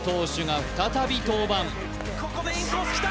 ここでインコースきた！